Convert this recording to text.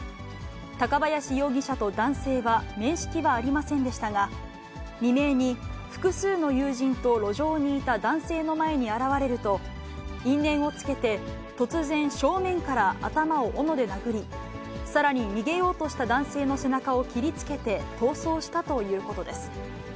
高林容疑者と男性は面識はありませんでしたが、未明に複数の友人と路上にいた男性の前に現れると、因縁をつけて、突然、正面から頭をおので殴り、さらに、逃げようとした男性の背中を切りつけて、逃走したということです。